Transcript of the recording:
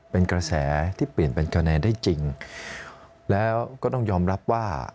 เป็นกระแสที่เปลี่ยนเป็นคะแนนได้จริงแล้วก็ต้องยอมรับว่า